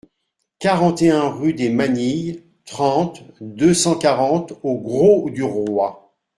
quarante et un rue des Manilles, trente, deux cent quarante au Grau-du-Roi